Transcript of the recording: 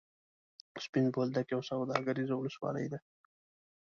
سپین بولدک یوه سوداګریزه ولسوالي ده.